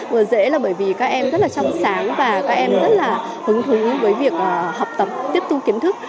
vừa dễ là bởi vì các em rất là trong sáng và các em rất là hứng thú với việc học tập tiếp thu kiến thức